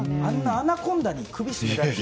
アナコンダに首を絞められて。